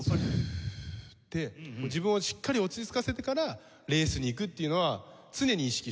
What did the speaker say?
って自分をしっかり落ち着かせてからレースにいくっていうのは常に意識してましたね。